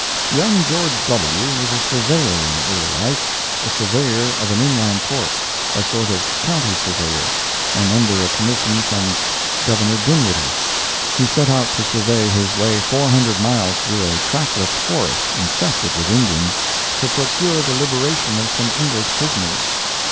Young George W. was a surveyor in early life—a surveyor of an inland port—a sort of county surveyor; and under a commission from Gov. Dinwiddie, he set out to survey his way four hundred miles through a trackless forest, infested with Indians, to procure the liberation of some English prisoners.